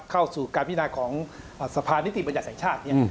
เข้าสู่การพิจารณาของสภานิติบัญญาติแสงชาติเนี่ย